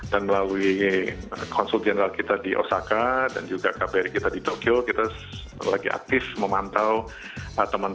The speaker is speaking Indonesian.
dan melalui konsul general kita di osaka dan juga kpr kita di tokyo kita lagi aktif memantau teman teman yang baik dari ppi maupun wm